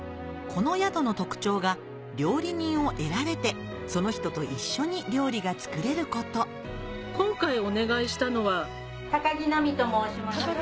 この宿の特徴が料理人を選べてその人と一緒に料理が作れること今回お願いしたのは高木奈美と申します。